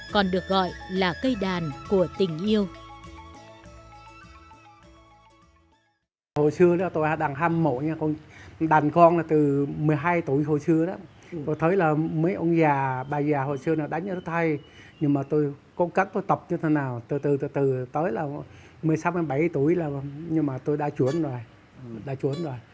còn có tình cảm với một người con gái